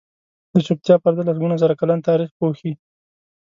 د چوپتیا پرده لسګونه زره کلن تاریخ پوښي.